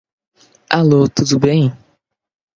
Alô, tudo bem?